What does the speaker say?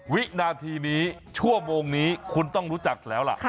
วินาทีนี้ชั่วโมงนี้คุณต้องรู้จักแล้วล่ะ